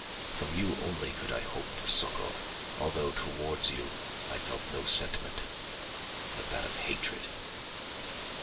From you only could I hope for succour, although towards you I felt no sentiment but that of hatred.